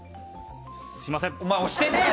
すみません。